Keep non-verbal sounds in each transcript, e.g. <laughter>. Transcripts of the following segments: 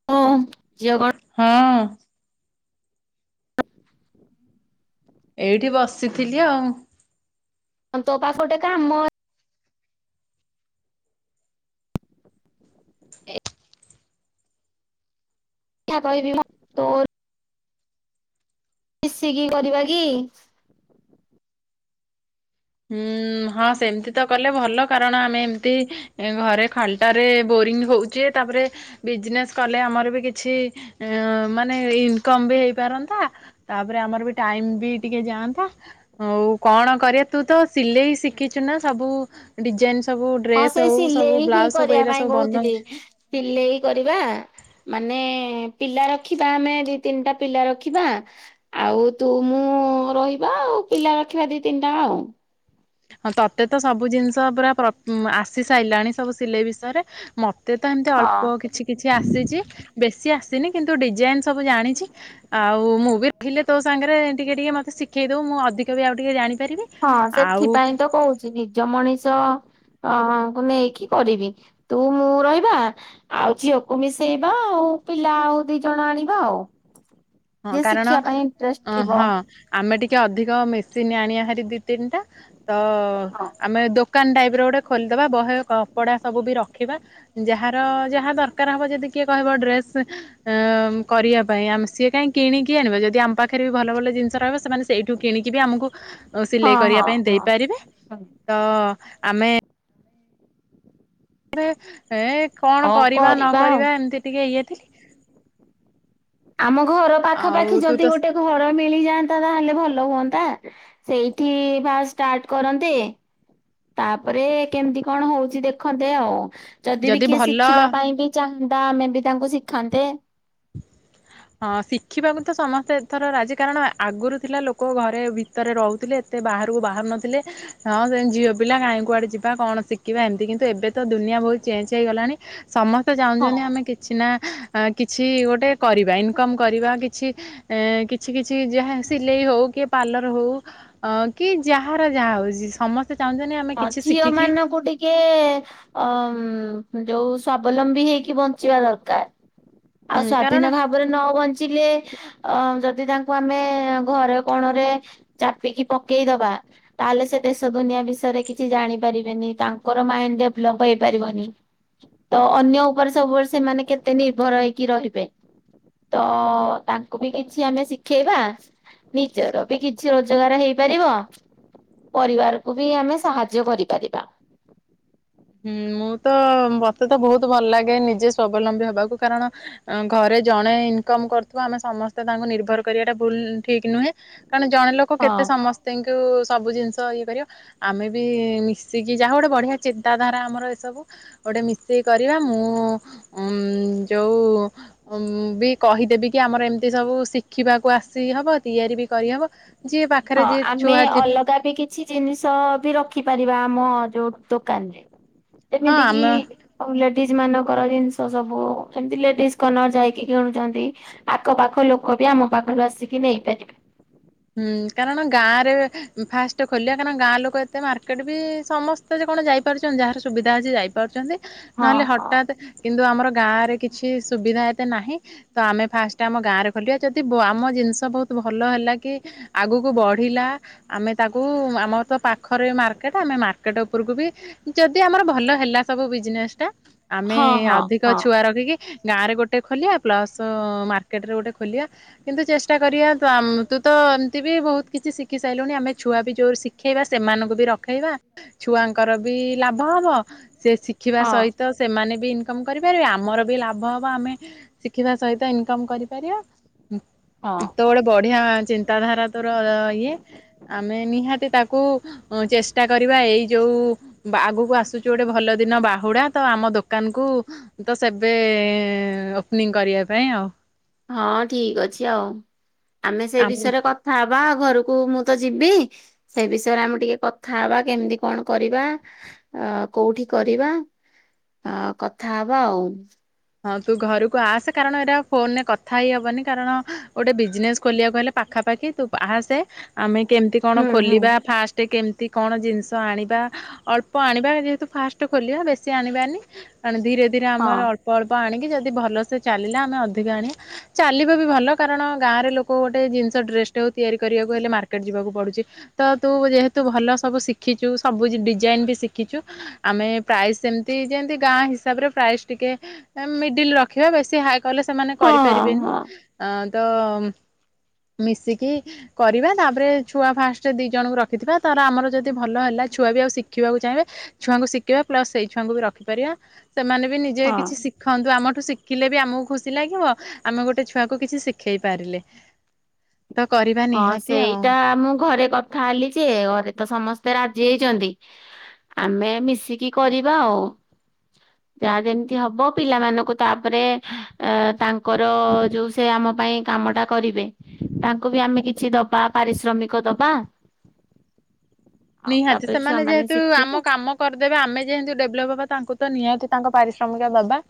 <unintelligible> ହଁ। <inaudible> ଏଇଠି ବସିଥିଲି ଆଉ। ତୋ ପାସ ଗୋଟେ କାମ ମ କଥା କହିବି ମୁଁ ତୋର ମିଶିକି କରିବା କି? ହୁଁ ହଁ ସେମିତି ତ କଲେ ଭଲ କାରଣ ଆମେ ଏମତି ଏ ଘରେ ଖାଲଟାରେ ବୋରିଙ୍ଗ ହଉଛେ ତାପରେ ବିଜନେସ୍ କଲେ ଆମର ବି କିଛି ଇ ମାନେ ଇନକମ ବି ହେଇପାରନ୍ତା। ତାପରେ ଆମର ବି ଟାଇମ ବି ଟିକେ ଯାଆନ୍ତା ଆଉ କଣ କରିବା ତୁ ତ ସିଲେଇ ଶିଖିଛୁ ନା ସବୁ। ଡିଜାଇନ ସବୁ ହଁ ସେ ଡ୍ରେସ ହଉ ସବୁ ସିଲେଇ ବ୍ଲାଉଜ ସବୁ ଏଇରା ସବୁ ବନଉ। ପିଲେଇ କରିବା। ମାନେ ପିଲା ରଖିବା ଆମେ ଦି ତିନିଟା ପିଲା ରଖିବା ଆଉ ତୁ ମୁଁ ରହିବା ଆଉ ପିଲା ରଖିବା ଦି ତିନିଟା ଆଉ। ହଁ ତତେ ତ ସବୁ ଜିନିଷ ପୁରା ପ୍ର ଆସି ସାଇଲାଣି ସବୁ ସିଲେଇ ବିଷୟରେ ମ ତେ ତ ଏମିତି ଅଳ୍ପ ହଁ। କିଛି କିଛି ଆସିଛି ବେଶୀ ଆସିନି କିନ୍ତୁ ଡିଜାଇନ ସବୁ ଜାଣିଛି। ଆଉ ମୁଁ ବି ରହିଲେ ତୋ ସାଙ୍ଗରେ ଟିକେ ଟିକେ ମତେ ଶିଖେଇ ଦବୁ ମୁଁ ଅଧିକ ବି ଆଉ ଟିକେ ଜାଣିପାରିବି। ହଁ ଆଉ ସେଥିପାଇଁ ତ କହୁଛି ନିଜ ମଣିଷ ଅ ହ କୁ ନେଇକି କରିବି ତୁ ମୁଁ ରହିବା ଆଉ ଝିଅକୁ ମିଶେଇବା ଆଉ ପିଲା ଆଉ ଦି ଜଣ ଆଣିବା ଆଉ। ହଁ ଯିଏ କାରଣ ଶିଖିଆ ପାଇଁ ଇଣ୍ଟ୍ରେଷ୍ଟ୍ ଅ ଥିବ। ହଁ ଆମେ ଟିକେ ଅଧିକ ମେସିନ୍ ଆଣିବା ହାରି ଦି ତିନିଟା ତ ହଁ ଆମେ ଦୋ କାନ ଟାଇପ୍ ର ଗୋଟେ ଖୋଲିଦେବା ବହେ କପଡ଼ା ସବୁ ବି ରଖିବା। ଯାହାର ଯାହା ଦରକାର ହବ ଯଦି କିଏ କହିବ ଡ୍ରେସ୍ ଅ କରିବା ପାଇଁ ଆମେ ସିଏ କାହିଁ କିଣିକି ଆଣିବ ଯଦି ଆମ ପାଖରେ ବି ଭଲ ଭଲ ଜିନିଷ ରହିବ ସେମାନେ ସେଇଠୁ କିଣିକି ବି ଆମକୁ ହଁ ସିଲେଇ କରିବା ହଁ ପାଇଁ ହଁ। ଦେଇପାରିବେ ତ ଆମେ ରେ ଏ କଣ ହଉ କରିବା ନ ଆଉ। କରିବା ଏମିତି ଟିକେ ଇଏ ଥିଲି ଆମ ଘର ଆଉ ପାଖାପାଖି ତୁ ତ ଯଦି ଗୋଟେ ଘର ମିଳିଯାଆନ୍ତା ତାହେଲେ ଭଲ ହୁଅନ୍ତା ସେଇଠି ଫା ଷ୍ଟାର୍ଟ କରନ୍ତେ। ତାପରେ କେମିତି କଣ ହଉଛି ଦେଖନ୍ତେ ଆଉ ଯଦି ବି କିଏ ଶିଖିବା ପାଇଁ ବି ଚାହାନ୍ତା ଆମେ ବି ତାଙ୍କୁ ଶିଖାନ୍ତେ ହଁ ଶିଖିବାକୁ ତ ସମସ୍ତେ ଏଥର ରାଜି କାରଣ ଆଗରୁ ଥିଲା ଲୋକ ଘରେ ତରେ ରହୁଥିଲେ ଏତେ ବାହାରକୁ ବାହାରୁ ନଥିଲେ ହଁ ସେ ଝିଅ ପିଲା କାଇଁ କୁଆଡ଼େ ଯିବା କଣ ଶିଖିବା ଏମିତି କିନ୍ତୁ ଏବେ ତ ଦୁନିଆ ବହୁତ ଚେଞ୍ଜ ହେଇଗଲାଣି। ସମସ୍ତେ ହଁ। ଚାହୁଛନ୍ତି ଆମେ କିଛି ନା କିଛି ଗୋଟେ କରିଵ୍ ଇନ୍ କମ୍ କରିବା କିଛି କିଛି କିଛି ଯାହା ସିଲେଇ ହଉ କି ପାର୍ଲର ହଉ ଅ କି ଯାହାର ଯାହା ହଉଛି ସମସ୍ତେ ଚାହୁଁଛନ୍ତି ଆମେ ହଁ କିଛି ଝିଅ ଶିଖିକି ମାନଙ୍କୁ ଟିକେ ଅ ଯୋଉ ସ୍ଵବଲମ୍ବୀ ହେଇକି ବଞ୍ଚିବା ଦରକାର। ଆଉ କାରଣ ସ୍ଵାଧୀନ ଭାବରେ ନ ବଞ୍ଚିଲେ ଅ ଯଦି ତାଙ୍କୁ ଆମେ ଘର କଣରେ ଚାପିକି ପକେଇଦବା ତାହେଲେ ସେ ଦେଶ ଦୁନିଆ ବିସ୍ ରେ କିଛି ଜାଣି ପାରିବେନି ତାଙ୍କର ମାଇଣ୍ଡ ଡେଭଲପ୍ ହେଇପାରିବନି। ତ ଅନ୍ୟ ଉପରେ ସବୁବେଳେ ସେମାନେ କେତେ ନିର୍ଭର ହେଇକି ରହିବେ। ତ ତାଙ୍କୁ ବି କିଛି ଆମେ ଶିଖେଇବା ନିଜର ବି କିଛି ରୋଜଗାର ହେଇପାରିବ ପରିବାରକୁ ବି ଆମେ ସାହାଯ୍ୟ କରିପାରିବା। ହୁଁ ମୁଁ ତ ମତେ ତ ବହୁତ ଭଲ ଲାଗେ ନିଜେ ସ୍ୱବଲମ୍ବୀ ହବାକୁ କାରଣ ଘରେ ଜଣେ ଇନ୍ କମ୍ କରୁଥିବ ଆମେ ସମସ୍ତେ ତାଙ୍କୁ ନିର୍ଭର କରିବା ଟା ଭୁଲ ଠିକ୍ ନୁହେଁ। କାରଣ ଜଣେ ଲୋକ ହଁ। କେତେ ସମସ୍ ତାଙ୍କୁ ସବୁ ଜିନିଷ ଇଏ କରିବ ଆମେ ବି ମିଶିକି ଯାହା ଗୋଟେ ବଢ଼ିଆ ଚି ନ୍ତା ଧାରା ଆମର ଏସବୁ ଗୋଟେ ମିଶେଇ କରିବା ମୁଁ ଉଁ ଯଉ ଉ ବି କହିଦେବି କି ଆମର ଏମିତି ସବୁ ଶିଖିବାକୁ ଆସି ହବ ତିଆରି ବି କରିହବ ଯିଏ ପାଖରେ ହଁ ଯିଏ ଆମେ ଛୁଆ ଥିବେ ଅଲଗା ବି କି ଛି ଜିନିଷ ବି ରଖିପାରିବା ଆମ ଯୋଉ ଦୋକାନରେ ହଁ ଯେମିତି କିି ଆମ ଆଉ ଲେଡିଜ୍ ମାନଙ୍କର ଜିନିଷ ସବୁ ଏମିତି ଲେଡିଜ୍ କର୍ଣର ଯାଇକି କିଣୁଛନ୍ତି। ଆଖ ପାଖ ଲୋକ ବି ଆମ ପାଖରୁ ଆସିକି ନେଇପାରିବେ। ହୁଁ କାରଣ ଗାଁରେ ଫାଷ୍ଟ ଖୋଲିବା କାରଣ ଗାଁ ଲୋକ ଏତେ ମାର୍କେଟ ବି ସମସ୍ ସ୍ତେ କଣ ଯାଇପାରୁଛନ୍ତି ଯାହାର ସୁବିଧା ଅଛି ଯାଇପାରୁଛନ୍ତି ହଁ ନହେଲେ ହଁ। ହଠାତ୍। କିନ୍ତୁ ଆମର ଗାଁ ରେ କିଛି ସୁବିଧା ଏତେ ନାହିଁ। ତ ଆମେ ଫାଷ୍ଟ ଆମ ଗାଁରେ ଖୋଲିବା ଯଦି ବ ଆମ ଜିନିଷ ବହୁତ ଭଲ ହେଲା କି। ଆଗକୁ ବଢିଲା। ଆମେ ତାକୁ ଆମର ତ ପାଖରେ ମାର୍କେଟ ଆମେ ମାର୍କେଟ ଉପରକୁ ବି। ଯଦି ଆମର ଭଲ ହେଲା ସବୁ ବିଜନେସ୍ ଟା ଆମେ ହଁ ହଁ ଅଧିକ ହଁ। ଛୁଆ ରଖିକି। ଗାଁରେ ଗୋଟେ ଖୋଲିବା ପ୍ଲସ୍ ମାର୍କେଟରେ ଗୋଟେ ଖୋଲିବା କିନ୍ତୁ ଚେଷ୍ଟା କରିବା ତୁ ଆମ୍ ତୁ ତ ଏମିତି ବି ବହୁତ କିଛି ଶିଖି ସାଇଲୁଣି ଆମେ ଛୁଆ ବି ଯୋଉ ଶିଖେଇବା ସେମାନଙ୍କୁ ବି ରଖେଇବା। ଛୁଆଙ୍କ ର ବି ଲାଭ ହବ। ସେ ଶିଖିବା ହଁ ସହିତ। ସେମାନେ ବି ଇନକମ୍ କରିପାରିବେ, ଆମର ବି ଲାଭ ହେବ ଆମେ। ଶିଖିବା ସହିତ ଇନକମ୍ କରିପାରିବା ହଁ। ଯେତେ ବେଳେ ବଢିଆ। ଚିନ୍ତାଧାରା ତୋର ଇଏ ଆମେ ନିହାତି ତାକୁ। ଉଁ ଚେଷ୍ଟା କରିବା ଏଇ ଯୋଉ। ଆଗକୁ ଆସୁଚି ଗୋଟେ ଭଲ ଦିନ ବାହୁଡା ତ ଆମ ଦୋକାନ କୁ। ତ ସେବେ ଓପନିଂ କରିବା ପାଇଁ ଆଉ। ହଁ ଠିକ ଅଛି ଆଉ, ଆମେ ସେ ଆମ ବିଷୟରେ କ ଥା ହବା ଘରକୁ ମୁଁ ତ ଯିବି। ସେ ବିଷୟରେ ଆମେ ଟିକେ କଥା ହବା କେମିତି କଣ କରିବା। ଅ କୋଉଠି କରିବା ଅ କଥା ହବା ଆଉ। ହଁ ତୁ ଘରକୁ ଆସେ, କାରଣ ଏଇଟା ଆଉ ଫୋନ୍ ରେ କଥା ହେଇ ହବନି କାରଣ ଗୋଟେ ବିଜନେସ୍ ଖୋଲିବାକୁ ହେଲେ। ପାଖାପାଖି ତୁ ଆସେ ଆମେ କେମିତି କଣ ହୁଁ ହୁଁ। ଖୋଲିବା ଫାଷ୍ଟ। ଟେ କେମିତି କଣ ଜିନିଷ ଆଣିବା ଅଳ୍ପ ଆଣିବା ଯେହେତୁ ଫାଷ୍ଟ ଖୋଲିବା ବେଶୀ ଆଣିବାନି। ମାନେ ଧୀରେ ଧୀରେ ହଁ ଆମର ଅଳ୍ପ ଅଳ୍ପ ଆଣିକି ଯଦି ଭଲସେ ଚାଲିଲା ଆମେ ଅଧିକା ଆଣିବା। ଚାଲିବ ବି ଭଲ କାରଣ ଗାଁରେ ଲୋକ ଗୋଟେ ଜିନିଷ ଡ୍ରେସ ଟେ ହଉ ତିଆରି କରିବାକୁ ହେଲେ ମାର୍କେଟ ଯିବାକୁ ପଡୁଛି। ତ ତୁ ଯେହେତୁ ଭଲ ସବୁ ଶିଖିଛୁ ସବୁ ଡିଜାଇନ୍ ବି ଶିଖିଛୁ। ଆମେ ପ୍ରାଇସ୍ ସେମିତି ଯେମିତି ଗାଁ ହିସାବରେ ପ୍ରାଇସ୍ ଟିକେ। ମିଡିଲ୍ ରଖିବା ବେଶୀ ହାଇ କଲେ ସେମାନେ ହଁ କରିପାରିବେନି ହଁ ଆଁ ତ। ମିଶିକି। କରିବା ତାପରେ ଛୁଆ ଫାଷ୍ଟେ ଦିଇ ଜଣଙ୍କୁ ରଖିଥିବା ତାର ଆମର ଯଦି ଭଲ ହେଲା ଛୁଆ ବି ଆଉ ଶିଖିବାକୁ ଚାହିଁବେ। ଛୁଆଙ୍କୁ ଶିଖେଇବା ପ୍ଲସ ସେଇ ଛୁଆଙ୍କୁ ବି ରଖିପାରିବା ସେମାନେ ବି ନିଜେ କି ହଁ। ଶିଖନ୍ତୁ ଆମଠୁ ଶିଖିଲେ ବି ଆମକୁ ଖୁସି ଲାଗିବ। ଆମେ ଗୋଟେ ଛୁଆକୁ କିଛି ଶିଖେଇ ପାରିଲେ। ତ କରିବା ହଁ ନିହାତି ଆଉ ସେଇଟା ମୁଁ ଘରେ କଥା ହେଲି ଯେ ଘରେ ତ ସମସ୍ତେ ରାଜି ହେଇଛନ୍ତି। ଆମେ ମିଶିକି କରିବା ଆଉ। ଯାହା ଯେମିତି ହବ ପିଲାମାନଙ୍କୁ ତାପରେ ଏ ତାଙ୍କର ଯୋଉ ସେ ଆମ ପାଇଁ କାମଟା। କରିବେ। ତାଙ୍କୁ ବି ଆମେ କିଛି ଦବା ପାରିଶ୍ରମିକ ଦବା। ଆଉ ନିହାତି ତାପରେ ଛୁଆ ସେମାନେ ମାନେ ଯେହେତୁ ଶିଖିବେ ଆମ କାମ‌। କରିଦେବେ ଆମେ ଯେମତି ଡେଭଲପ୍ ହବା ତାଙ୍କୁ ତ ନିହାତି ତାଙ୍କ ପାରିଶ୍ରମିକ ଦବା।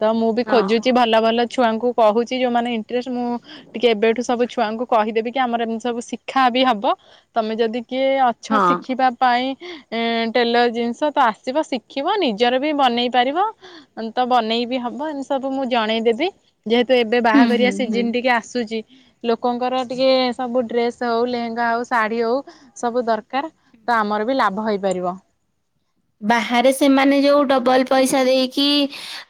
ତ ମୁଁ ବି ହଁ ଖୋଜୁଛି ଭଲ ଭଲ ଛୁଆଙ୍କୁ କହୁଛି ଯୋଉମାନେ ଇଣ୍ଟରେଷ୍ଟ ମୁଁ। ଟିକେ ଏବେଠୁ ସବୁ ଛୁଆଙ୍କୁ କହିଦେବି କି ଆମର ଏମିତି ସବୁ ଶିକ୍ଷା ବି ହବ ତମେ ଯଦି କିଏ ଅ ଛ ହଁ। ଶିଖିବା ପାଇଁ ଏଁ ଟେଲର୍ ଜିନିଷ ତ ଆସିବ ଶିଖିବ ନିଜର ବି ବନେଇ ପାରିବ। ତବନେଇବି ହବ ଏମିତି ସବୁ ମୁଁ ଜଣେଇଦେବି। ଯେହେତୁ ଏବେ ହୁଁ ବାହା ହୁଁ ଘରିଆ ହୁଁ ସିଜିିନ୍ ଟିକେ ଆସୁଚି ଲୋକଙ୍କର ଟିକେ ସବୁ ଡ୍ରେସ ହଉ ଲେହେଙ୍ଗା ହଉ ଶାଢ଼ୀ ହଉ ସବୁ ଦର୍ କାର୍ ତଆମରବି ଲାଭ ହେଇପାରିବ। ବାହାରେ ସେମାନେ ଯୋଉ ଡବଲ ପଇସା ଦେଇକି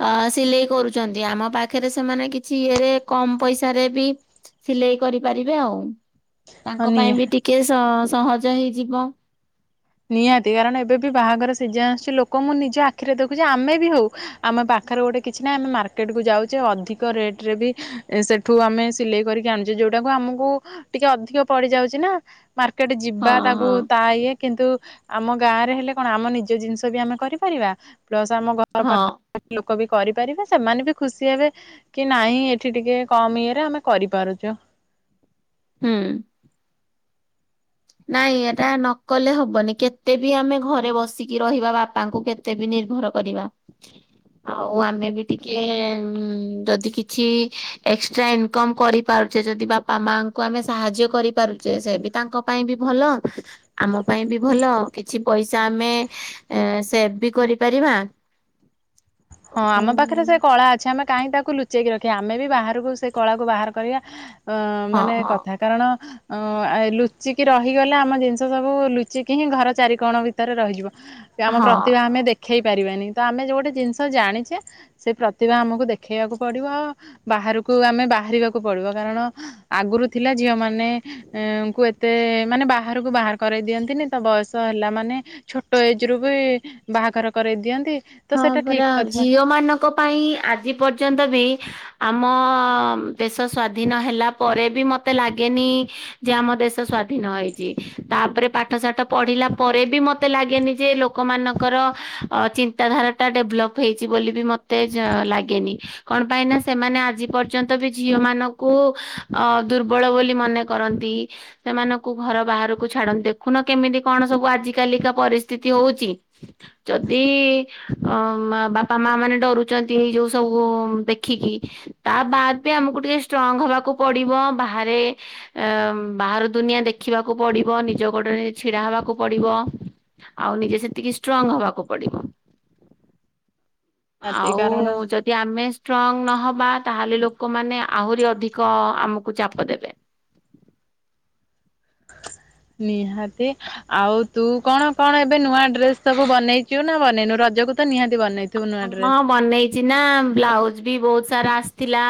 ଅ ସିଲେଇ କରୁଚନ୍ତି, ଆମ ପାଖରେ ସେମାନେ କିଛି ଇଏରେ କମ୍ ପଇସାରେବି ସିଲେଇ କରିପାରିବେ ଆଉ ହଁ ତାଙ୍କ ନିହା ପାଇଁବି ଟିକେ ସ ସହଜ ହେଇଯିବ। ନିହାତି କାରଣ ଏବେବି ବାହାଘର ସିଜିନ୍ ଆସୁଚି ଲୋକ ମୁଁ ନିଜ ଆଖିରେ ଦେଖୁଚି ଆମେବି ହଉ ଆମ ପାଖରେ ଗୋଟେ କିଛି ନାହିଁ ଆମେ ମାର୍କେଟକୁ ଯାଉଚେ ଅଧିକ ରେଟରେବି ସେ ଠୁ ଆମେ ସିଲେଇ କରିକି ଆଣୁଚୁ, ଯୋଉଟାକୁ ଆମକୁ ଟିକେ ଅଧିକ ପଡ଼ିଯାଉଚିନା। ମାର୍କେଟେ ହଁ ଯିବା ତାକୁ ହଁ ତାଇଏ କିନ୍ତୁ ଆମ ଗାଁରେ ହେଲେ କଣ ଆମ ନିଜ ଜିନିଷବି ଆମେ କରିପାରିବା ପ୍ଲସ୍ ଆମ ଘର ହଁ ପାଖ ଲୋକବି କରିପାରିବେ, ସେମାନେବି ଖୁସି ହେବେ କି ନାଇଁ ଏଠି ଟିକେ କମ୍ ଇଏରେ ଆମେ କରିପାରୁଚୁ। ହୁଁ। ନାଇଁ ଏଟା ନକଲେ ହବନି, କେତେବି ଆମେ ଘରେ ବସିକି ରହିବା ବାପାଙ୍କୁ କେ ତେଦିନି ନିର୍ଭର କରିବା। ଆଉ ଆମେବି ଟିକେ ଯଦି କିଛି ଏକ୍ସଟ୍ରା ଇନକମ୍ କରି ପାରୁଛେ, ଯଦି ବାପା ମାଙ୍କୁ ଆମେ ସାହାଯ୍ୟ କରିପାରୁଛେ, ସେବି ତାଙ୍କ ପାଇଁବି ଭଲ, ଆମ ପାଇଁ ବି ଭଲ, କିଛି ପଇସା ଆମେ ଏ ସେଭ୍ ବି କରିପାରିବା। ହଁ ଉଁ ଆମ ପାଖରେ ସେକଳା ଅଛି, ଆମେ କାହିଁକି ତାକୁ ଲୁଚେଇକି ରଖିବା ଆମେବି ବାହାରକୁ ସେକଳାକୁ ବାହାର କରିବା। ଅ ହଁ ମାନେ ହଁ କଥା କାରଣ ଅ ଲୁଚିକି ରହିଗଲେ ଆମ ଜିନିଷ ସବୁ ଲୁଚିକିହିଁ ଘର ଚାରି କୋଣ ଭିତରେ ରହିଯିବ। କି ଆମ ହଁ ପ୍ରତିଭା ଆମେ ଦେଖେଇ ପାରିବାନି, ତଆମେ ଯଉ ଗୋଟେ ଜିନିଷ ଜାଣିଚେ ସେ ପ୍ରତିଭା ଆମକୁ ଦେଖେଇବାକୁ ପଡ଼ିବ ଆଉ ବାହାରକୁ ଆମେ ବାହାରିବାକୁ ପଡ଼ିବ କାରଣ ଆଗରୁ ଥିଲା ଝିଅ ମାନେ ଉ କୁଏତେ ମାନେ ବାହାରକୁ ବାହାର କରେଇ ଦିଅନ୍ତିନି ତବୟସ ହେଲା ମାନେ ଛୋଟ ଏଜରୁବି ବାହାଘର କରଇ ଦିଅନ୍ତି। ତ ହଁ ସେଇଟା ଠିକ ପରା କଥା ଝିଅ ମାନଙ୍କ ପାଇଁ ଆଜି ପର୍ଯ୍ୟନ୍ତ ବି ଆମ ଦେଶ ସ୍ଵାଧୀନ ହେଲା ପରେବି ମତେ ଲାଗେନି ଯେ ଆମ ଦେଶ ସ୍ଵାଧୀନ ହେଇଚି, ତାପରେ ପାଠ ସାଠ ପଢିଲା ପରେବି ମତେ ଲାଗେନି ଯେ ଲୋକ ମାନଙ୍କର ଅ ଚିନ୍ତାଧାରାଟା ଡେଭଲପ୍ ହେଇଛି ବୋଲିବି ମତେ ଲାଗେନି। କଣ ପାଇଁନା, ସେମାନେ ଆଜି ପର୍ଯ୍ୟନ୍ତବି ଝିଅ ମାନଙ୍କୁ ଅ ଦୁର୍ବଳ ବୋଲି ମନେ କରନ୍ତି। ସେମାନଙ୍କୁ ଘର ବାହାରକୁ ଛାଡନ୍ତିନି, ଦେଖୁନ କେମିତି କଣ ସବୁ ଆଜି କାଲିକା ପରିସ୍ଥିତି ହଉଚି। ଯଦି ଅ ବାପା ମା ମାନେ ଡରୁଛନ୍ତି ଏଇ ଯୋଉ ସବୁ ଦେଖିକି ତା ବାଦ୍ବି ଆମକୁ ଟିକେ ଷ୍ଟ୍ରଙ୍ଗ ହବାକୁ ପଡ଼ିବ, ବାହାରେ ଅ ବାହାର ଦୁନିଆ ଦେଖିବାକୁ ପଡ଼ିବ, ନିଜ ଗୋଡ଼ରେ ଛିଡ଼ା ହବାକୁ ପଡ଼ିବ। ଆଉ ନିଜେ ସେତିକି ଷ୍ଟ୍ରଙ୍ଗ ହବାକୁ ପଡ଼ିବ। ନିହାତି ଆଉ କାରଣ ଯ ଯଦି ଆମେ ଷ୍ଟ୍ରଙ୍ଗ ନହବା, ତାହେଲେ ଲୋକମାନେ ଆହୁରି ଅଧିକ ଆମକୁ ଚାପ ଦେବେ। ନିହାତି ଆଉ ତୁ କଣ କଣ ଏବେ ନୂଆ ଡ୍ରେସ ସବୁ ବନେଇଚୁନା ବନେଇନୁ, ରଜକୁତ ନିହାତି ବନେଇ <inaudible> ମନେଇଛି ନା ବ୍ଲାଉଜ ବି ବହୁତ ସାରା ଆସିଥିଲା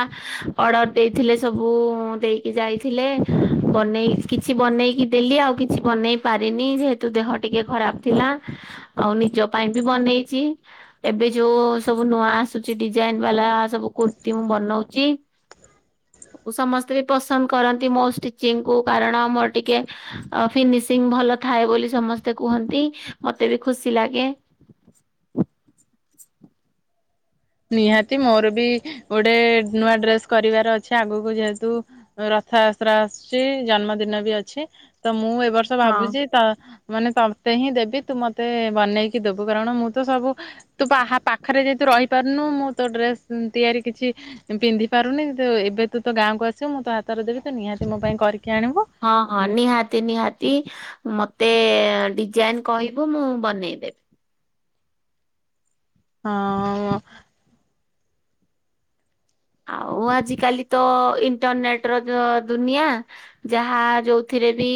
ଅର୍ଡ଼ର ଦେଇଥିଲେ ସବୁ ଦେଇ ଯାଇଥିଲେ ବନେଇ କିଛି ବନେଇକି ଦେଲି ଆଉ କିଛି ବନେଇ ପାରିନି ଯେହେ ତୁ ଦେହ ଟିକେ ଖରାପ ଥିଲା ଆଉ ନିଜ ପାଇଁ ବି ବନେଇଚି। ଏବେ ଯୋଉ ସବୁ ନୂଆ ଆସୁଚି ଡିଜାଇନ ବାଲା ସବୁ କୁର୍ତ୍ତୀ ମୁଁ ବନଉଛି। ସମସ୍ତେ ବି ପସନ୍ଦ କରନ୍ତି ମୋ ଷ୍ଟିଚିଙ୍ଗ କୁ କାରଣ ମୋର ଟିକେ ଫିନିସିଂ ଭଲ ଥାଏ ବୋଲି ସମସ୍ତେ କୁହନ୍ତି, ମତେ ବି ଖୁସି ଲାଗେ। ନିହାତି ମୋର ବି ଗୋଟେ ନୂଆ ଡ୍ରେସ୍ କରିବାର ଅଛି ଆଗକୁ ଯେହେତୁ ରଥଯାତ୍ରା ଆସୁଛି, ଜନ୍ମଦିନ ବି ଅଛି ତ ମୁଁ ଏ ବର୍ଷ ହଁ। ଭାବୁଛି ତ ମାନେ ତତେ ହିଁ ଦେବି ତୁ ମତେ ବନେଇକି ଦେବୁ କାରଣ ମୁଁ ତ ସବୁ ତୁ ପାହା ପାଖରେ ଯେହେତୁ ରହିପାରୁନୁ ମୁଁ ତୋ ଡ୍ରେସ ତିଆରି କିଛି ପିନ୍ଧି ପାରୁନି ତ ଏବେ ତୁ ତୋ ଗାଁକୁ ଆସିବୁ ମୁଁ ତୋ ହାତରେ ଦେବି ତୁ ନିହାତି ମୋ ପାଇଁ କରି ହଁ ହଁ ନିହାତି ନିହାତି। ମତେ ଡିଜାଇନ କହିବୁ ମୁଁ ବନେଇଦେ ହଁ। ଆଉ ଆଜିକାଲି ତ ଇଣ୍ଟରନେଟ ର ଦ ଦୁନିଆ। ଯାହା ଯୋଉଥିରେ ବି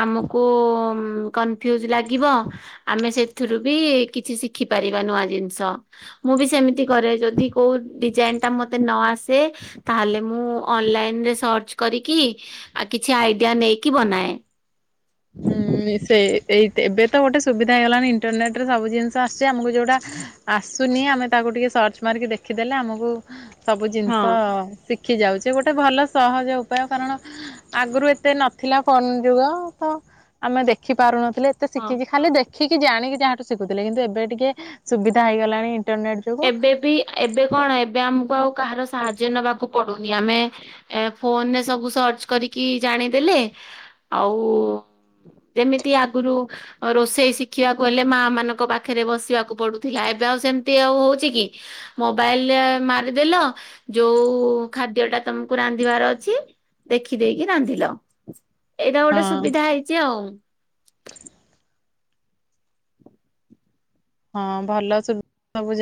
ଆମକୁ କନଫ୍ୟୁଜ ଲାଗିବ। ଆମେ ସେଥିରୁ ବି କିଛି ଶିଖିପାରିବା ନୂଆ ଜିନିଷ। ମୁଁ ବି ସେମିତି କରେ ଯଦି କୋଉ ଡିଜାଇନ ତା ମତେ ନ ଆସେ ତାହେଲେ ମୁଁ ଅନଲାଇନ ରେ ସର୍ଚ୍ଚ କରିକି। ଆ କିଛି ଆଇଡିଆ ନେଇକି ବନାଏ। ହୁଁ ସେ ଏଇ ଏବେ ତ ଗୋଟେ ସୁବିଧା ହେଇଗଲାଣି ଇଣ୍ଟରନେଟ ରେ ସବୁ ଜିନିଷ ଆସଛି ଆମକୁ ଯୋଉଟା। ଆସୁନି ଆମେ ତାକୁ ଟିକେ ସର୍ଚ୍ଚ ମାରିକି ଦେଖିଦେଲେ ଆମକୁ ସବୁ ହଁ ଜିନିଷ। ଶିଖି ଯାଉଛେ ଗୋଟେ ଭଲ ସହଜ ଉପାୟ କାରଣ ଆଗରୁ ଏତେ ନଥିଲା ଫୋନ ଯୁଗ। ତ ଆମେ ଦେଖି ପାରୁନଥିଲଥିଲେ ଏତେ ହଁ। ଶିଖିଛି ଖାଲି ଦେ ଶଖିକି ଜାଣିକି ଯାହାଠୁ ଶିଖୁଥିଲେ କିନ୍ତୁ ଏବେ ଟିକେ ସୁବିଧା ହେଇଗଲାଣି ଇଣ୍ଟରନେଟ୍। ଏବେ ବି ଏବେ କଣ ଏବେ ଆମକୁ ଆଉ କାହାର ସାହାଯ୍ୟ ନବାକୁ ପଡୁନି ଆମେ। ଏ ଫୋନ ରେ ସବୁ ସର୍ଚ୍ଚ କରିକି ଜାଣିଦେଲେ ଆଉ। ଯେମିତି ଆଗୁରୁ। ରୋଷେଇ ଶିଖିବାକୁ ହେଲେ ମା ମାନଙ୍କ ପାଖରେ ବସିବାକୁ ପଡୁଥିଲା ଏବେ ଆଉ ସେମିତି। ସେ ଆଉ ହଉଚି କି। ମୋବାଇଲରେ ମାରିଦେଲ ଯୋଉ ଖାଦ୍ୟ ଟା ତମକୁ ରାନ୍ଧିବାର ଅଛି। ଦେଖିଦେଇକି ରାନ୍ଧିଲ ଏଇଟା ଗୋଟେ ହଁ ସୁବିଧା ହେଇଚି ଆଉ। ହଁ ଭଲ ସୁ ସବୁ ଯା